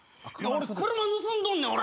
俺車盗んどんねん。